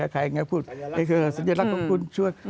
ใครพูดสัญญาลักษณ์ของคุณชวน